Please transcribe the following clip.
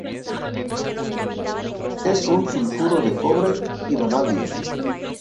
Es un sulfuro de cobre y vanadio.